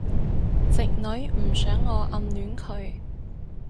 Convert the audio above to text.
直女唔想我暗戀佢